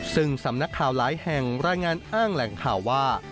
ซึ่งสำนักข่าวหลายแห่งรายงานอ้างแหล่งข่าวว่า